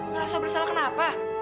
merasa bersalah kenapa